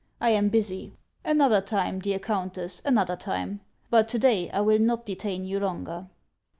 I am busy. Another time, dear Countess, another time ; but to day I will not detain you longer.